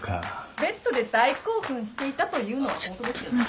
ベッドで大興奮していたというのはホントですよ。